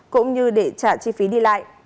cũng như để trả chi phí đi lại